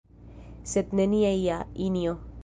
Sed nenia ja, Injo!